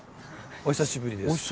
お久しぶりです